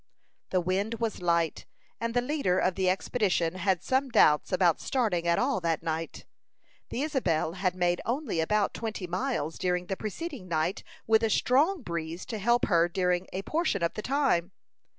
The wind was light, and the leader of the expedition had some doubts about starting at all that night. The Isabel had made only about twenty miles during the preceding night, with a strong breeze to help her during a portion of the time.